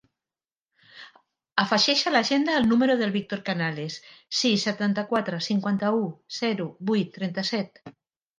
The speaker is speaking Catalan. Afegeix a l'agenda el número del Víctor Canales: sis, setanta-quatre, cinquanta-u, zero, vuit, trenta-set.